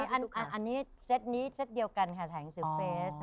อันนี้เซตนี้เซตเดียวกันค่ะถ่ายหนังสือเฟส